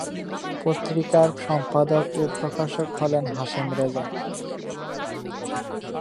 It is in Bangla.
পত্রিকার সম্পাদক ও প্রকাশক হলেন হাশেম রেজা।